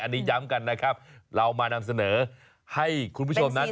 อันนี้ย้ำกันนะครับเรามานำเสนอให้คุณผู้ชมนั้น